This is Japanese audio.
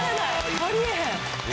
あり得へん。